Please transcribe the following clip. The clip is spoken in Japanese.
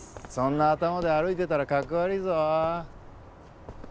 そんな頭で歩いてたらかっこ悪いぞ。